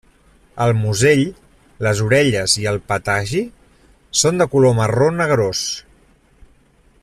El musell, les orelles i el patagi són de color marró negrós.